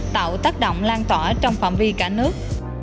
tạo tác động lan tỏa trong phạm vi cả nước